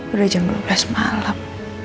udah jam dua belas malam